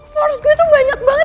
force gue tuh banyak banget